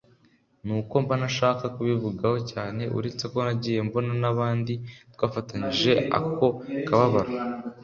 ni uko mba ntashaka kubivugaho cyane…uretse ko nagiye mbona n’abandi twafatanyije ako kababaro